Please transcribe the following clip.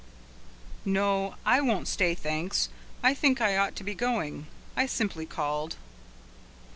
No, I won't stay, thanks; I think I ought to be going. I simply called."